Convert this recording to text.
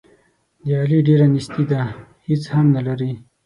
د علي ډېره نیستي ده، هېڅ هم نه لري.